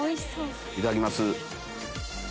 いただきます。